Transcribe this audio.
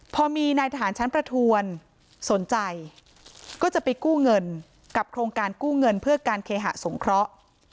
พอมีนายทหารชั้นประทวนสนใจก็จะไปกู้เงินกับโครงการกู้เงินเพื่อการเคหะสงเคราะห์